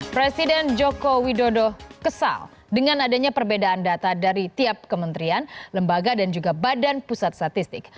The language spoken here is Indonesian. presiden joko widodo kesal dengan adanya perbedaan data dari tiap kementerian lembaga dan juga badan pusat statistik